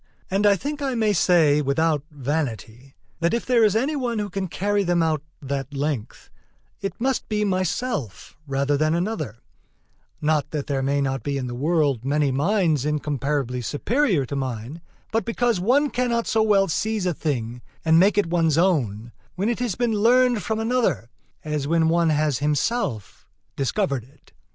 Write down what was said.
And I think I may say without vanity, that if there is any one who can carry them out that length, it must be myself rather than another: not that there may not be in the world many minds incomparably superior to mine, but because one cannot so well seize a thing and make it one's own, when it has been learned from another, as when one has himself discovered it.